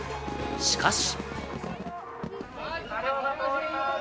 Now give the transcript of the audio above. しかし。